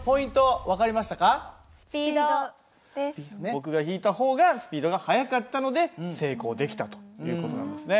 僕が引いた方がスピードが速かったので成功できたという事なんですね。